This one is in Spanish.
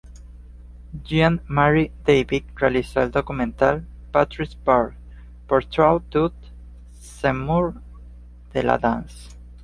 Jean Marie David realizó el documental "Patrice Bart: Portrait d'un Seigneur de la Dance".